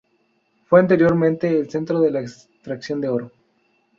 Fue anteriormente el centro de la extracción de oro.